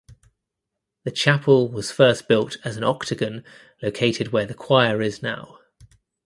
The chapel was first built as an octagon located where the choir is now.